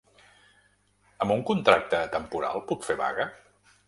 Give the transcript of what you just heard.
Amb un contracte temporal puc fer vaga?